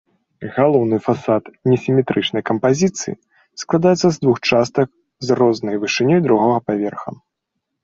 Галоўны фасад несіметрычнай кампазіцыі, складаецца з двух частак з рознай вышынёй другога паверха.